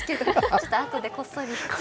ちょっと、あとでこっそり。